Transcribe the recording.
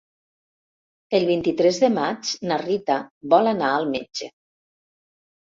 El vint-i-tres de maig na Rita vol anar al metge.